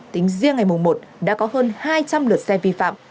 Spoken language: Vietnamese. tính riêng ngày một đã có hơn hai trăm linh lượt xe vi phạm